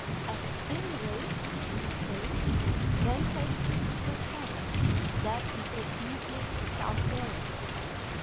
"'At any rate, did you say? Then take six per cent; that is the easiest to calculate.'"